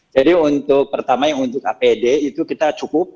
untuk pertama yang untuk apd itu kita cukup